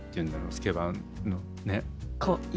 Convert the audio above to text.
スケバンね。